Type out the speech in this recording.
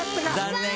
残念。